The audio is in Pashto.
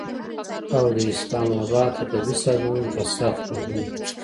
او د اسلام آباد ادبي سازمانونو تر سخت غبرګون وروسته